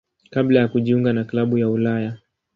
kabla ya kujiunga na klabu ya Ulaya.